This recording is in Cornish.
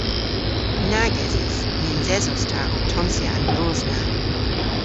Nag eses. Nyns esos ta ow tonsya an nos na.